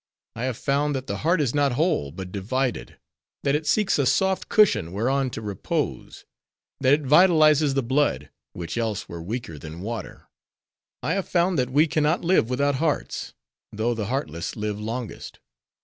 I have found that the heart is not whole, but divided; that it seeks a soft cushion whereon to repose; that it vitalizes the blood; which else were weaker than water: I have found that we can not live without hearts; though the heartless live longest.